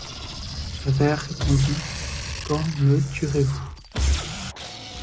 Javert répondit: — Quand me tuerez-vous?